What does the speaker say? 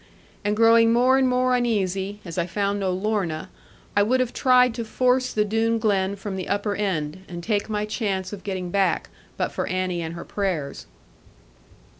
And growing more and more uneasy, as I found no Lorna, I would have tried to force the Doone Glen from the upper end, and take my chance of getting back, but for Annie and her prayers.